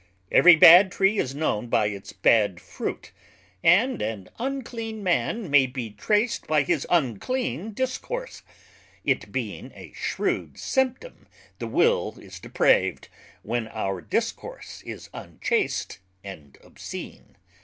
Every bad tree is known by its bad fruit, and an unclean man may be trac'd by his unclean discourse; it being a shrewd symptom the Will is depraved, when our Discourse is unchaste and obscene.